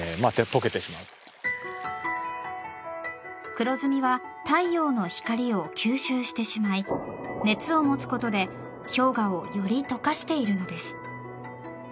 黒ずみは太陽の光を吸収してしまい熱を持つことで氷河をより解かしているのです。